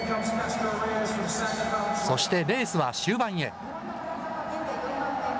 そしてレースは終盤へ。